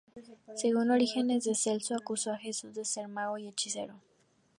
Según Orígenes, Celso acusó a Jesús de ser un mago y hechicero.